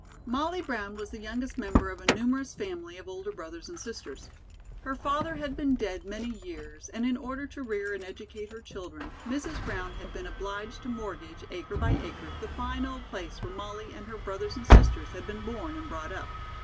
Molly Brown was the youngest member of a numerous family of older brothers and sisters. Her father had been dead many years, and in order to rear and educate her children, Mrs. Brown had been obliged to mortgage, acre by acre, the fine old place where Molly and her brothers and sisters had been born and brought up.